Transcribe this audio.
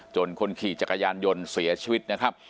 คนขี่จักรยานยนต์เสียชีวิตนะครับ